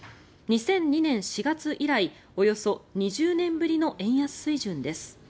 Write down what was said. ２００２年４月以来およそ２０年ぶりの円安水準です。